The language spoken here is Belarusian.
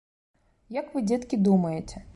Як вы, дзеткі, думаеце?